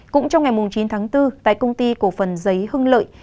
cũng trong ngày chín tháng bốn tại công ty cổ phần giấy hưng lợi